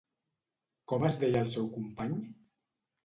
Com es deia el seu company?